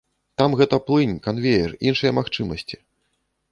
Там гэта плынь, канвеер, іншыя магчымасці.